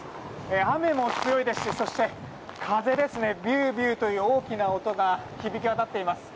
雨も強いですしそして、風ですねビュービューという大きな音が響き渡っています。